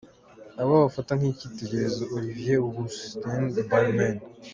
Abo afata nk’ikitegererezo: Olivier Rousteing, Balmain